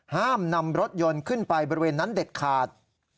ห้ามนำรถยนต์ขึ้นไปบริเวณนั้นเด็ดขาด